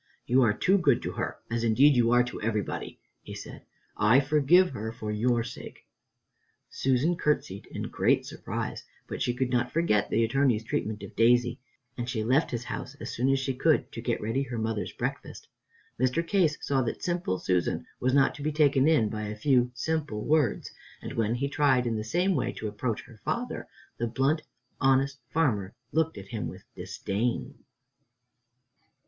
"You are too good to her, as indeed you are to everybody," he said. "I forgive her for your sake." Susan courtesied in great surprise, but she could not forget the Attorney's treatment of Daisy, and she left his house as soon as she could to get ready her mother's breakfast. Mr. Case saw that Simple Susan was not to be taken in by a few simple words, and when he tried in the same way to approach her father, the blunt, honest farmer looked at him with disdain.